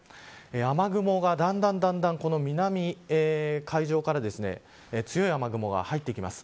雨雲がだんだん南海上から強い雨雲が入ってきます。